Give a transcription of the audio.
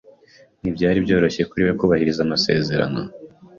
Ntibyari byoroshye kuri we kubahiriza amasezerano.